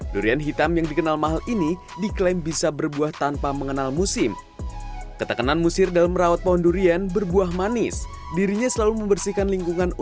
durian hitam ini berasal dari warna